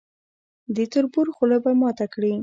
د تربور خوله به ماته کړي.